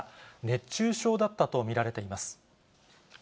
熱中症だったと見られています。